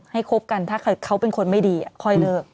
คบกันถ้าเขาเป็นคนไม่ดีค่อยเลิก